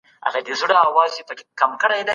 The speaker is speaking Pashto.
ايا نرمې خبري اغېزمنې دي؟